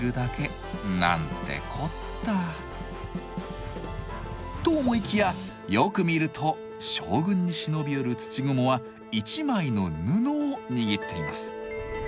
何てこった。と思いきやよく見ると将軍に忍び寄る土蜘蛛は一枚の布を握っています。